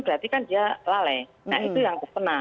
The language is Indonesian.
berarti kan dia lalai nah itu yang terkena